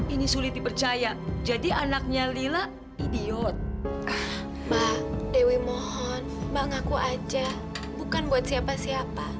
ini sulit dipercaya jadi anaknya lila idiot mbak dewi mohon mbak ngaku aja bukan buat siapa siapa